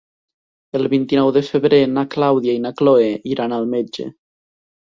El vint-i-nou de febrer na Clàudia i na Cloè iran al metge.